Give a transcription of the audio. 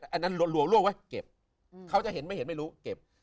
อันนั้นรวมไว้เก็บเขาจะเห็นไม่เห็นไม่รู้เก็บ